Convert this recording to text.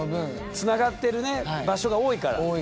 つながってる場所が多いから。